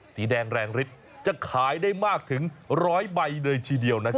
สีแดงแรงฤทธิ์จะขายได้มากถึง๑๐๐ใบเลยทีเดียวนะครับ